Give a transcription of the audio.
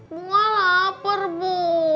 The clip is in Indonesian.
bunga lapar bu